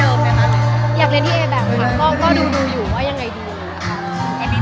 ดามมันเตรียดของดูกับตัวตนที่เดิม